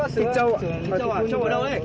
chị châu ạ châu ở đâu đấy